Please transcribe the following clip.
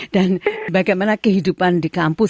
dan bagaimana kehidupan di kampus